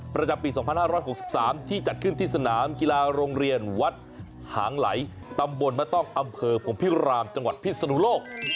ประจำปี๒๕๖๓ที่จัดขึ้นที่สนามกีฬาโรงเรียนวัดหางไหลตำบลมะต้องอำเภอพรมพิรามจังหวัดพิศนุโลก